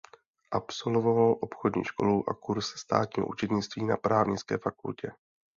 Absolvoval obchodní školu a kurz státního účetnictví na právnické fakultě.